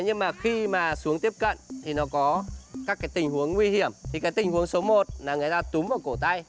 nhưng mà khi mà xuống tiếp cận thì nó có các cái tình huống nguy hiểm thì cái tình huống số một là người ta túm vào cổ tay